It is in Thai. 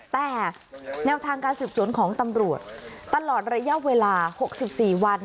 แต่แนวทางการสืบสวนของตำรวจตลอดระยะเวลา๖๔วัน